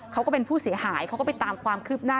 เขาก็เป็นผู้เสียหายเขาก็ไปตามความคืบหน้า